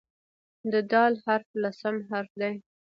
د "د" حرف لسم حرف دی.